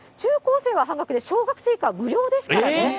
中高生は半額で、小学生以下は無料ですからね。